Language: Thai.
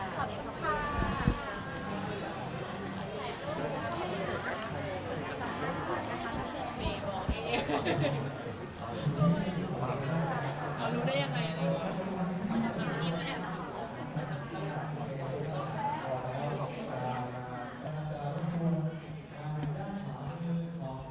ขอบคุณค่ะ